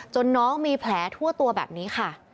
น้องมีแผลทั่วตัวแบบนี้ค่ะ